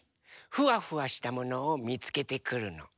フワフワしたものをみつけてくるの。